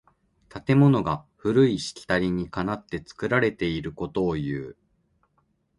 建物が古いしきたりにかなって作られていることをいう。